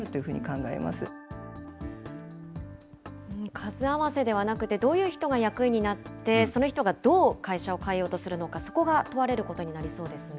数合わせではなくてどういう人が役員になって、その人がどう会社を変えようとするのか、そこが問われることになりそうですね。